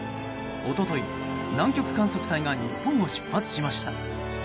一昨日、南極観測隊が日本を出発しました。